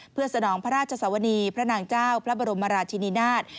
เพื่อสนองพระราชสวนีพระนางเจ้าพระบรมราชินินาศ